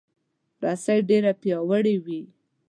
رسۍ ډیره پیاوړې وي.